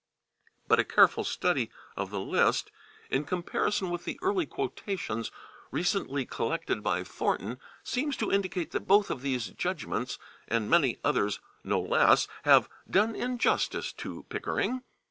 But a careful study of the list, in comparison with the early quotations recently collected by Thornton, seems to indicate that both of these judgments, and many others no less, have done injustice to Pickering.